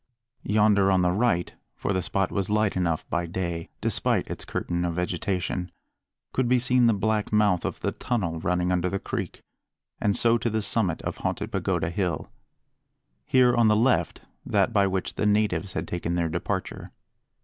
Yonder on the right for the spot was light enough by day, despite its curtain of vegetation could be seen the black mouth of the tunnel running under the creek, and so to the summit of Haunted Pagoda Hill; here, on the left, that by which the natives had taken their departure.